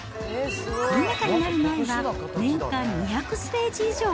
コロナ禍になる前は、年間２００ステージ以上。